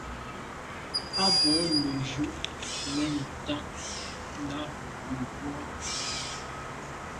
A bwô neju’ men ntag là mebwô.